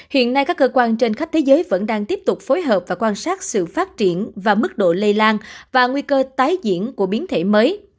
hiện nay các cơ quan trên khắp thế giới vẫn đang tiếp tục phối hợp và quan sát sự phát triển và mức độ lây lan và nguy cơ tái diễn của biến thể mới